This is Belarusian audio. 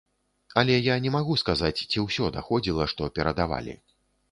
Але я не магу сказаць, ці ўсё даходзіла, што перадавалі.